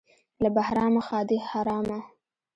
- له بهرامه ښادي حرامه.